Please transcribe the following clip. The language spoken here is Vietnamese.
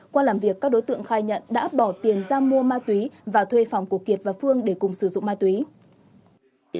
qua làm việc các đối tượng khai nhận đã bỏ tiền ra mua ma túy và thuê phòng của kiệt và phương để cùng sử dụng ma túy